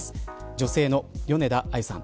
女性の米田あゆさん。